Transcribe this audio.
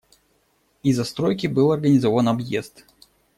Из-за стройки был организован объезд.